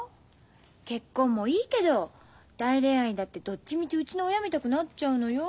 結婚もいいけど大恋愛だってどっちみちうちの親みたくなっちゃうのよ。